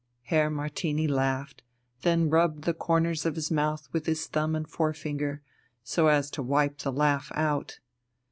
Herr Martini laughed; then rubbed the corners of his mouth with his thumb and forefinger, so as to wipe the laugh out.